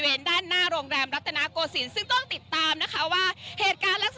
ไม่อยากให้เข้ามาครับผมเดี๋ยวเกิดการประทากันครับ